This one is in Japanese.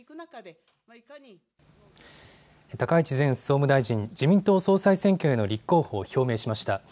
高市前総務大臣、自民党総裁選挙への立候補を表明しました。